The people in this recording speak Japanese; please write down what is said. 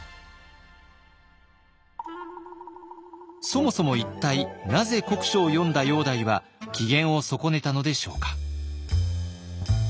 そもそも一体なぜ国書を読んだ煬帝は機嫌を損ねたのでしょうか。